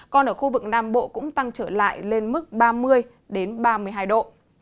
còn ở khu vực nam bộ cũng tăng trở lại lên mức ba mươi ba mươi hai độ